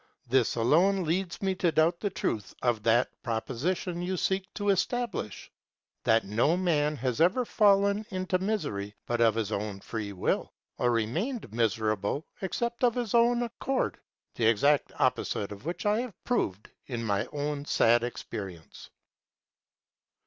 This alone leads me to doubt the truth of that proposition you seek to establish, that no man has ever fallen into misery but of his own free will, or remained, miserable except of his own accord; the exact opposite of which I have proved in my own sad experience.